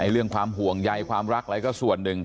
เรื่องความห่วงใยความรักอะไรก็ส่วนหนึ่ง